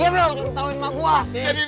tauin tauin mak gue